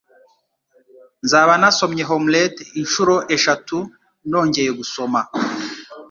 Nzaba nasomye Hamlet inshuro eshatu nongeye gusoma